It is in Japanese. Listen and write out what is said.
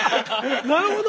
なるほど！